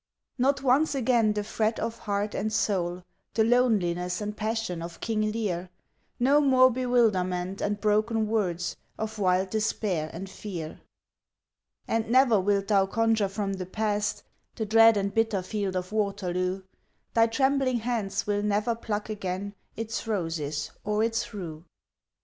Not once again the fret of heart and soul, The loneliness and passion of King Lear; No more bewilderment and broken words Of wild despair and fear. And never wilt thou conjure from the past The dread and bitter field of Waterloo; Thy trembling hands will never pluck again Its roses or its rue.